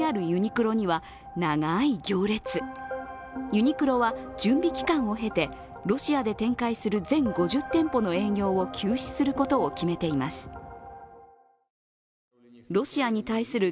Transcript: ユニクロは、準備期間を経てロシアで展開する全５０店舗の営業を休止することを決めています。